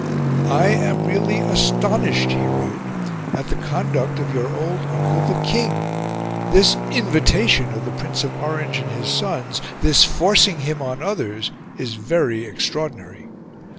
"I am really ASTONISHED," he wrote, "at the conduct of your old Uncle the King; this invitation of the Prince of Orange and his sons, this forcing him on others, is very extraordinary...